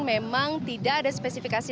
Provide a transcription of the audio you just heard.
memang tidak ada spesifikasi